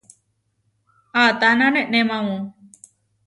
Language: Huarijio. ¿Atána neʼnémamu?